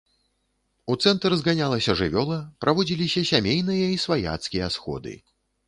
У цэнтр зганялася жывёла, праводзіліся сямейныя і сваяцкія сходы.